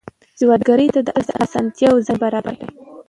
سوداګرو ته د اسانتیاوو زمینه برابره کړئ.